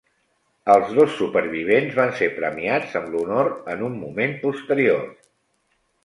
Els dos supervivents van ser premiats amb l'honor en un moment posterior.